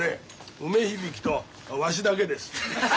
梅響とわしだけです。